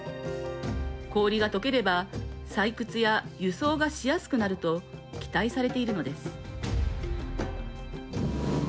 氷がとければ採掘や輸送がしやすくなると期待されているのです。